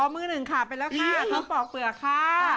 มือหนึ่งขาดไปแล้วค่ะเขาปอกเปลือกค่ะ